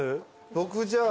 僕じゃあ。